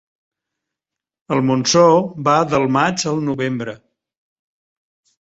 El Montsó va del maig al novembre.